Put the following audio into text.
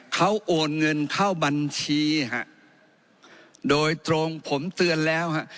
เขาโอนเงินเข้าบัญชีฮะโดยตรงผมเตือนแล้วฮะ